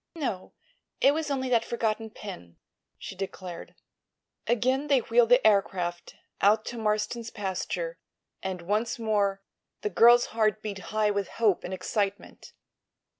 "No; it was only that forgotten pin," she declared. Again they wheeled the aircraft out to Marston's pasture, and once more the girl's heart beat high with hope and excitement.